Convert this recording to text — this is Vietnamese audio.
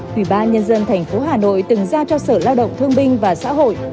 quỷ ba nhân dân thành phố hà nội từng ra cho sở lao động thương binh và xã hội